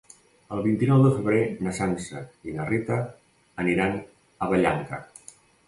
El vint-i-nou de febrer na Sança i na Rita aniran a Vallanca.